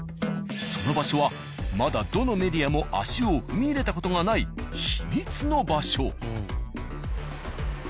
その場所はまだどのメディアも足を踏み入れた事がない秘密の場所。